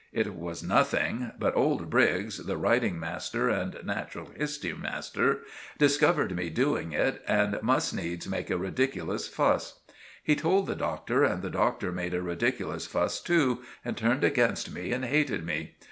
It was nothing; but old Briggs, the writing master and natural history master, discovered me doing it and must needs make a ridiculous fuss. He told the Doctor and the Doctor made a ridiculous fuss too and turned against me and hated me.